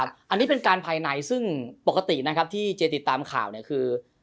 อันนี้เป็นการภายในซึ่งปกตินะครับที่เจ๊ติดตามข่าวเนี่ยคือ